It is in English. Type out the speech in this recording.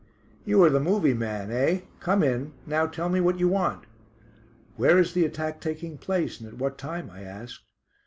"You are the 'movie' man, eh? Come in. Now tell me what you want." "Where is the attack taking place, and at what time?" I asked.